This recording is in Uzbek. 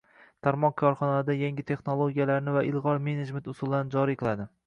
tarmoq korxonalarida yangi texnologiyalarni va ilg'or menejment usullarini joriy qiladi.